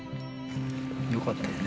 よかったよね